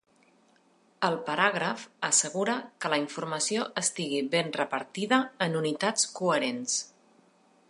El paràgraf assegura que la informació estigui ben repartida en unitats coherents.